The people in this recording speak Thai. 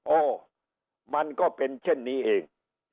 โอ้มันก็เป็นเช่นนี้เอง